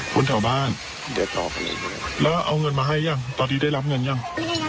คนแถวบ้านแล้วเอาเงินมาให้ยังตอนดีได้รับเงินอย่าง